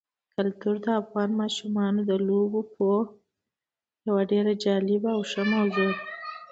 کلتور د افغان ماشومانو د لوبو یوه ډېره جالبه او ښه موضوع ده.